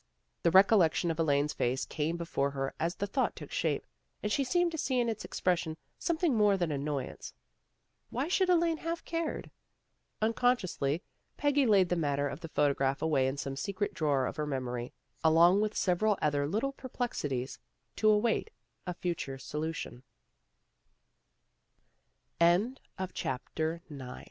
The recollection of Elaine's face came before her as the thought took shape, and she seemed to see in its expression something more than annoy ance. Why should Elaine have cared? Uncon sciously Peggy laid the matter of the photograph away in some secret drawer of her memory, along with several other little p